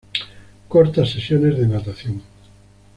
Cortas sesiones de natación.